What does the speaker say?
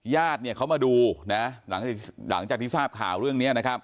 ยาติเขามาดูหลังจากที่ทราบข่าวเรื่องนี้